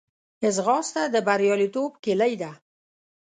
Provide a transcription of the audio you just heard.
ځغاسته د بریالیتوب کلۍ ده